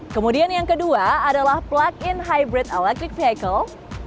kemudian yang kedua adalah plug in hybrid electric vehicle